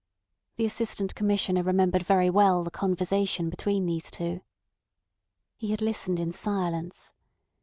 The Assistant Commissioner remembered very well the conversation between these two. He had listened in silence.